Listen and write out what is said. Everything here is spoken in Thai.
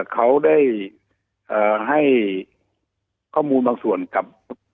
ข้อมูลบางส่วนกับ